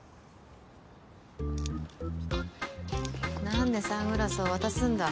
何でサングラスを渡すんだ。